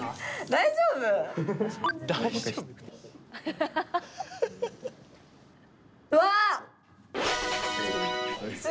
大丈夫？わ！